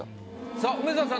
さあ梅沢さん